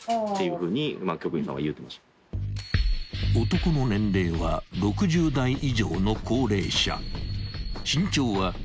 ［男の年齢は６０代以上の高齢者］